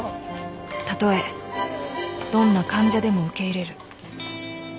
［たとえどんな患者でも受け入れる］